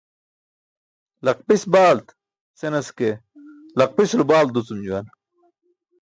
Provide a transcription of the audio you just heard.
"laqpis baalt" senas ke, laqpisulo balt ducum juwan.